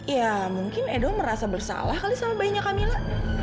ya mungkin edo merasa bersalah kali sama bayinya kamila